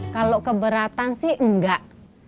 kalau keberatan sih enggak